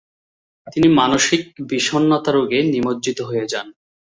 তিনি মানসিক বিষন্নতা রোগে নিমজ্জিত হয়ে যান।